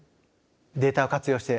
データを活用してあっ